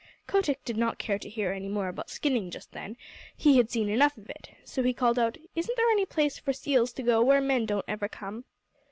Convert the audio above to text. Kotick did not care to hear any more about skinning just then; he had seen enough of it. So he called out: "Isn't there any place for seals to go where men don't ever come?"